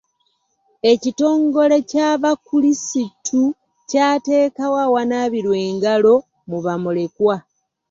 Ekitongole ky'abakulisitu kyateekawo awanaabirwa engalo mu bamulekwa.